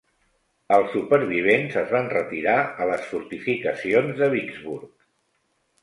Els supervivents es van retirar a les fortificacions de Vicksburg.